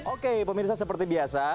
oke pemirsa seperti biasa